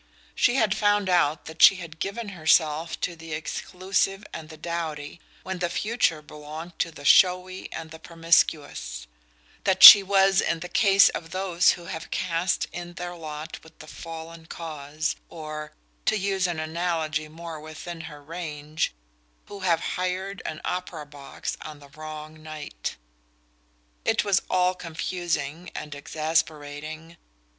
She had found out that she had given herself to the exclusive and the dowdy when the future belonged to the showy and the promiscuous; that she was in the case of those who have cast in their lot with a fallen cause, or to use an analogy more within her range who have hired an opera box on the wrong night. It was all confusing and exasperating.